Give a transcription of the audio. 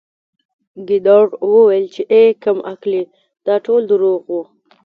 ګیدړ وویل چې اې کم عقلې دا ټول درواغ وو